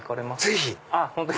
ぜひ！